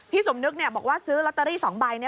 สมนึกบอกว่าซื้อลอตเตอรี่๒ใบ